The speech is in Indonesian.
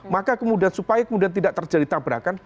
maka kemudian supaya kemudian tidak terjadi tabrakan